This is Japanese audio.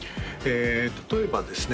例えばですね